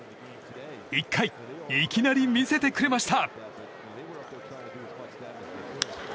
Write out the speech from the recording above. １回いきなり見せてくれました。